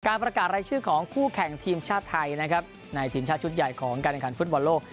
ประกาศรายชื่อของคู่แข่งทีมชาติไทยนะครับในทีมชาติชุดใหญ่ของการแข่งขันฟุตบอลโลก